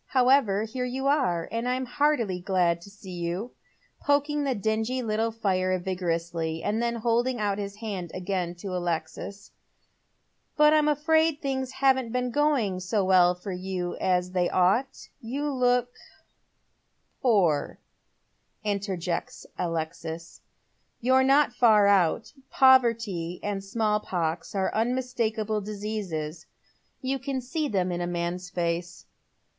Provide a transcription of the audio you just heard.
However, here you are, and I'm heartily glad to see you," poking the dingy little fire vigorously, and then holding out his hand again to Alexis ;" but I'm afraid things haven't been going so well with you as they ought. You look "" Poor," interjects Alexis. " You're not far out. Poverty and «malI pox are unmistakable diseases. You can see them in a man's face.